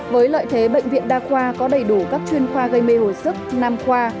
với lợi thế bệnh viện đa khoa có đầy đủ các chuyên khoa gây mê hồi sức nam khoa